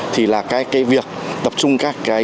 thì là cái việc tập trung các cái